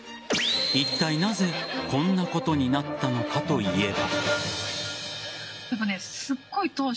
いったいなぜこんなことになったのかといえば。